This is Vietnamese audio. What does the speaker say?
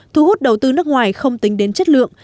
thu hút đầu tư nước ngoài không tính đến chất lượng